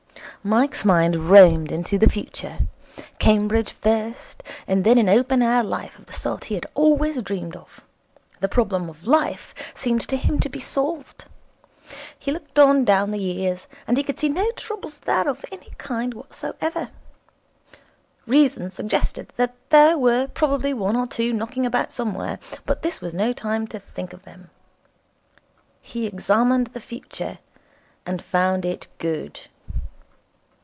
Mike's mind roamed into the future. Cambridge first, and then an open air life of the sort he had always dreamed of. The Problem of Life seemed to him to be solved. He looked on down the years, and he could see no troubles there of any kind whatsoever. Reason suggested that there were probably one or two knocking about somewhere, but this was no time to think of them. He examined the future, and found it good.